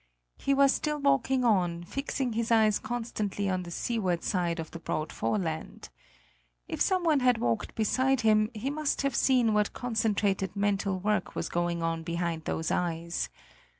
He was still walking on, fixing his eyes constantly on the seaward side of the broad foreland. If some one had walked beside him, he must have seen what concentrated mental work was going on behind those eyes.